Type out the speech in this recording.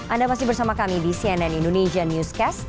anda masih bersama kami di cnn indonesia newscast